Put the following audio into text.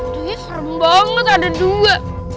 ini serem banget ada dua